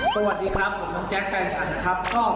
สวัสดีครับผมน้องแจ๊คแฟนฉันนะครับ